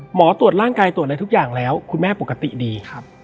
ตรวจร่างกายตรวจอะไรทุกอย่างแล้วคุณแม่ปกติดี